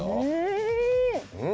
うん。